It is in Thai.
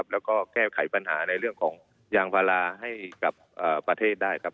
แล้วก็แก้ไขปัญหาในเรื่องของยางพาราให้กับประเทศได้ครับ